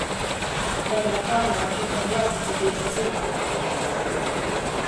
Bermekoak nagusi izan dira urteko bi hitzordu garrantzitsuenetan.